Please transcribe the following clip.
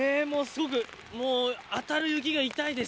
当たる雪が痛いです。